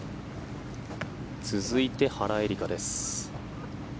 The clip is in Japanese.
続いて原英莉花です。